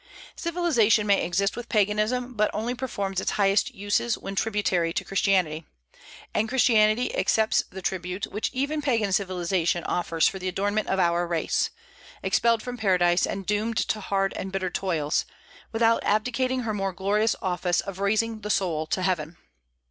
Civilization may exist with Paganism, but only performs its highest uses when tributary to Christianity. And Christianity accepts the tribute which even Pagan civilization offers for the adornment of our race, expelled from Paradise, and doomed to hard and bitter toils, without abdicating her more glorious office of raising the soul to heaven.